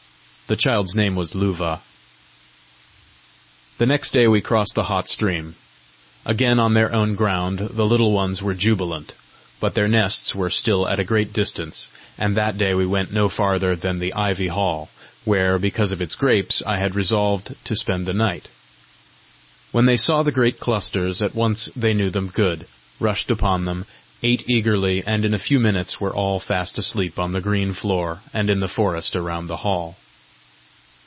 The child's name was Luva. The next day we crossed the hot stream. Again on their own ground, the Little Ones were jubilant. But their nests were still at a great distance, and that day we went no farther than the ivy hall, where, because of its grapes, I had resolved to spend the night. When they saw the great clusters, at once they knew them good, rushed upon them, ate eagerly, and in a few minutes were all fast asleep on the green floor and in the forest around the hall.